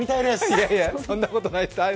いやいや、そんなことないです。